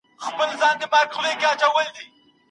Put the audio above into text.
د ږدن په پټي کي له ډاره اتڼ ولي ړنګ سوی و؟